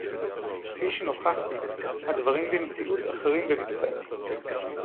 כְּפִי שֶנוֹכַחְתִי, הַדְבָרִים בִּמְצִיאוּת אַחְרִים בְּמִקְצָת.